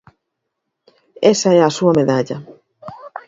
Esa é a súa medalla.